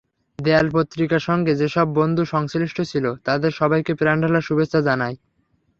দেয়াল পত্রিকার সঙ্গে যেসব বন্ধু সংশ্লিষ্ট ছিল, তাদের সবাইকে প্রাণঢালা শুভেচ্ছা জানাই।